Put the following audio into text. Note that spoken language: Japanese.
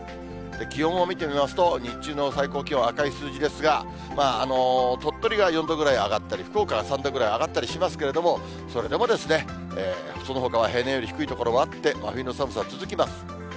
気温を見てみますと、日中の最高気温、赤い数字ですが、鳥取が４度ぐらい上がったり、福岡は３度ぐらい、上がったりしますけれども、それでもそのほかは平年より低い所もあって、真冬の寒さ、続きます。